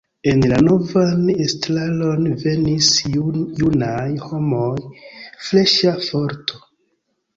En la novan estraron venis junaj homoj, freŝa forto.